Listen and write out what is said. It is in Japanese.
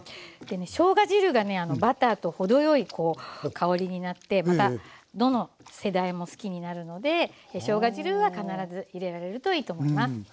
しょうが汁がねバターと程よい香りになってまたどの世代も好きになるのでしょうが汁は必ず入れられるといいと思います。